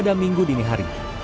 dan mengambil air wudhu